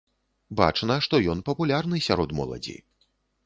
Бачна, што ён папулярны сярод моладзі.